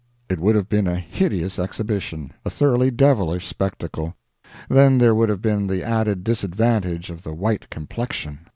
It would have been a hideous exhibition, a thoroughly devilish spectacle. Then there would have been the added disadvantage of the white complexion.